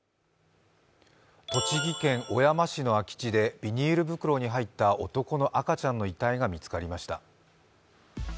栃木県小山市の空き地でビニール袋に入った男の赤ちゃんの遺体が見つかりました。